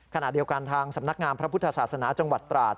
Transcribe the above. ขณะเดียวกันทางสำนักงามพระพุทธศาสนาจังหวัดตราด